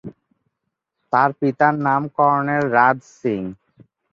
তাঁর পিতার নাম কর্নেল রাজ সিং।